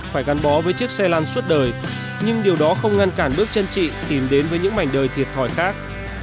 phải gắn bó với chiếc xe lan suốt đời nhưng điều đó không ngăn cản bước chân trị tìm đến với những mảnh đời thiệt thòi khác